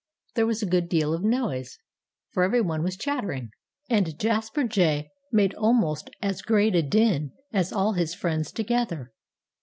There was a good deal of noise, for everyone was chattering. And Jasper Jay made almost as great a din as all his friends together.